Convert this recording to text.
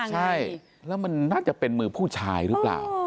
ใช่แล้วมันน่าจะเป็นมือผู้ชายหรือเปล่า